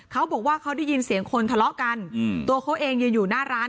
เขาบอกว่าเขาได้ยินเสียงคนทะเลาะกันตัวเขาเองยืนอยู่หน้าร้าน